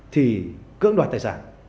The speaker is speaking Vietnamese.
thì cưỡng đoạt tài sản